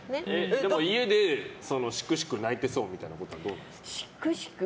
でも家でシクシク泣いてそうみたいなのはどうですか？